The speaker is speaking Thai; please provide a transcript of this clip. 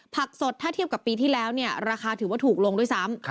ผักสดถ้าเทียบกับปีที่แล้วเนี่ยราคาถือว่าถูกลงด้วยซ้ำ